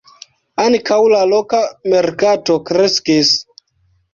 Ankaŭ la loka merkato kreskis.